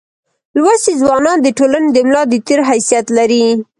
لوستي ځوانان دټولني دملا دتیر حیثیت لري.